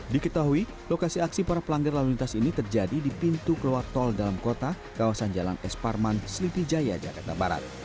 diketahui lokasi aksi para pelanggar lalu lintas ini terjadi di pintu keluar tol dalam kota kawasan jalan es parman selipijaya jakarta barat